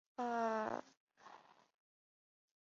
有时刚发芽的稻子